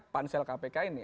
pansel kpk ini